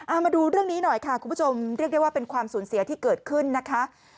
เอามาดูเรื่องนี้หน่อยค่ะคุณผู้ชมเรียกได้ว่าเป็นความสูญเสียที่เกิดขึ้นนะคะ